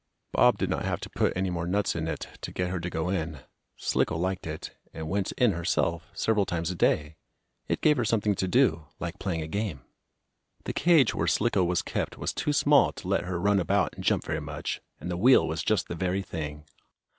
Bob did not have to put any more nuts in it to get her to go in. Slicko liked it, and went in herself, several times a day. It gave her something to do like playing a game. The cage where Slicko was kept was too small to let her run about and jump very much, and the wheel was just the very thing.